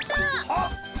はっ！